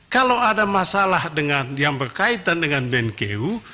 kalau ada masalah yang berkaitan dengan benku